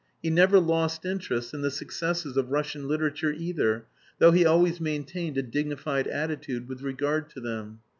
He never lost interest in the successes of Russian literature either, though he always maintained a dignified attitude with regard to them.